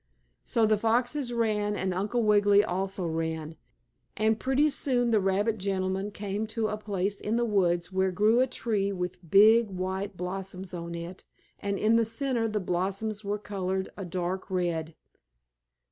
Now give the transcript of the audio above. So the foxes ran and Uncle Wiggily also ran, and pretty soon the rabbit gentleman came to a place in the woods where grew a tree with big white blossoms on it, and in the center the blossoms were colored a dark red.